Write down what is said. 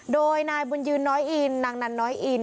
โดยนายบุญยืนน้อยอินนางนันน้อยอิน